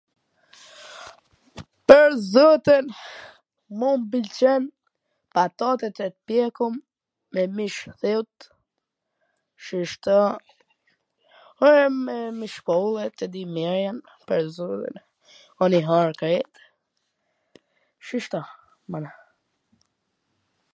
Pwr zotin, mu m pwlqen patotet e pjekun me mish thiut, shishto, ... me shkoll e mir jam pwr zotin, un i ha krejt, shishto, mana.